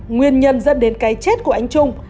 nguyên nhân dẫn đến cái chết của anh trung